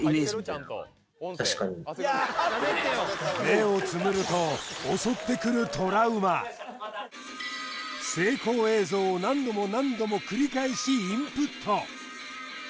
目をつむると襲ってくる成功映像を何度も何度も繰り返しインプット